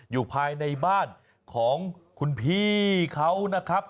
อยู่ภายในบ้านของคุณพี่เขานะครับ